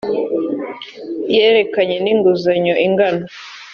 yerekeranye n inguzanyo ingana